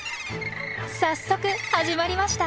早速始まりました。